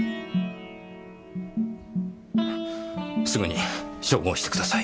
すぐに照合してください。